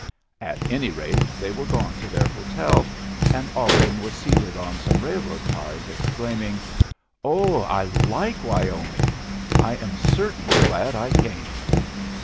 At any rate, they were gone to their hotel, and Ogden was seated on some railroad ties, exclaiming: "Oh, I like Wyoming! I am certainly glad I came."